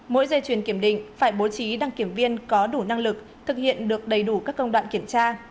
mỗi dây chuyển kiểm định phải bố trí đăng kiểm viên có đủ năng lực thực hiện được đầy đủ các công đoạn kiểm tra